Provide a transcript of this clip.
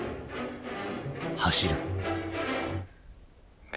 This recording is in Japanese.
走る。